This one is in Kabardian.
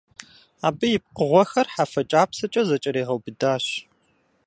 Абы и пкъыгъуэхэр хьэфэ кIапсэкIэ зэкIэрегъэубыдащ.